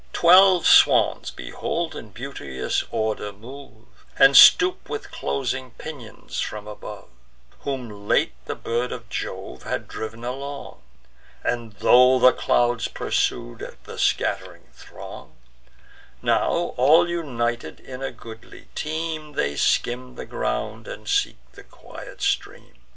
Twelve swans behold in beauteous order move, And stoop with closing pinions from above; Whom late the bird of Jove had driv'n along, And thro' the clouds pursued the scatt'ring throng: Now, all united in a goodly team, They skim the ground, and seek the quiet stream.